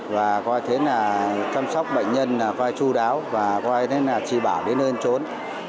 và coi thế là chăm sóc bệnh nhân coi chú đáo và coi thế là chỉ bảo đến nơi trốn